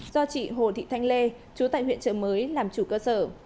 do chị hồ thị thanh lê chú tại huyện trợ mới làm chủ cơ sở